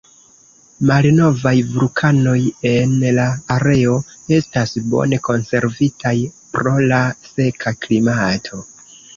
Malnovaj vulkanoj en la areo estas bone konservitaj, pro la seka klimato.